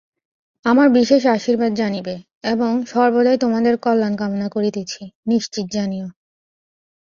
আমার বিশেষ আশীর্বাদ জানিবে, এবং সর্বদাই তোমাদের কল্যাণ কামনা করিতেছি, নিশ্চিত জানিও।